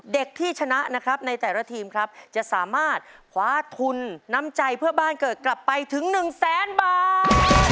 เด็กที่ชนะนะครับในแต่ละทีมครับจะสามารถคว้าทุนน้ำใจเพื่อบ้านเกิดกลับไปถึง๑แสนบาท